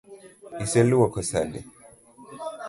Iseluoko sande?